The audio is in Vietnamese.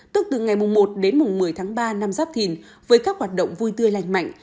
tức từ ngày một đến mùng một mươi tháng ba năm giáp thìn với các hoạt động vui tươi lành mạnh